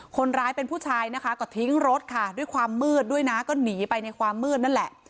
คนร้ายเป็นผู้ชายนะคะก็ทิ้งรถค่ะด้วยความมืดด้วยนะก็หนีไปในความมืดนั่นแหละ